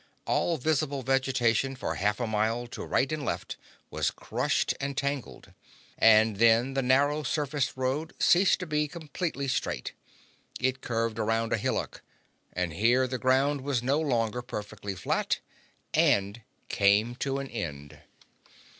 All visible vegetation for half a mile to right and left was crushed and tangled. And then the narrow surfaced road ceased to be completely straight. It curved around a hillock—and here the ground was no longer perfectly flat—and came to an end.